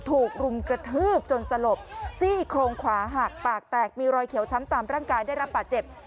ถูกรุมกระทืบจนสลบซี่โครงขวาหักปากแตกมีรอยเขียวช้ำตามร่างกายได้รับบาดเจ็บ